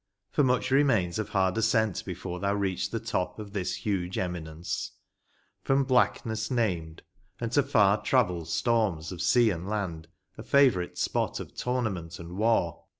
for much remains Of hard ascent before thou reach the top Of this huge Eminence, — from blackness named And, to far travelled storms of sea and land, A favourite spot of tournament and war